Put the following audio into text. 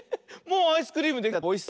もうアイスクリームできちゃった。